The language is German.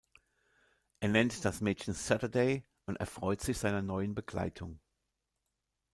Er nennt das Mädchen "Saturday" und erfreut sich seiner neuen Begleitung.